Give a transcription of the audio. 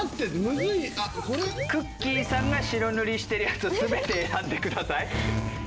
さんが白塗りしてるやつを全て選んでください。